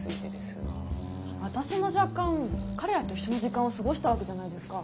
私も若干彼らと一緒の時間を過ごしたわけじゃないですか。